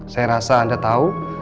saya rasa anda tahu